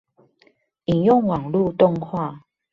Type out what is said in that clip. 引用網路動畫